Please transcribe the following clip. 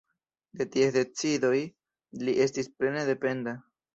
De ties decidoj li estis plene dependa.